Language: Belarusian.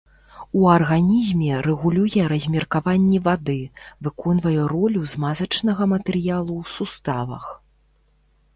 У арганізме рэгулюе размеркаванне вады, выконвае ролю змазачнага матэрыялу ў суставах.